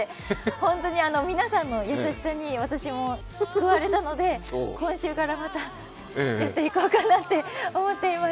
本当に皆さんの優しさに私も救われたので、今週からまたやっていこうかなって思っています。